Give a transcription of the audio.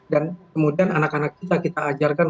dan kemudian anak anak kita kita ajarkan